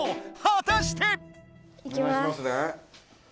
はたして⁉いきます。